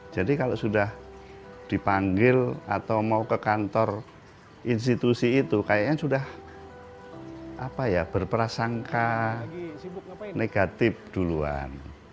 jadi kalau sudah dipanggil atau mau ke kantor institusi itu kayaknya sudah berperasangka negatif duluan